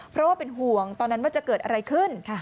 เพราะว่าเป็นห่วงตอนนั้นว่าจะเกิดอะไรขึ้น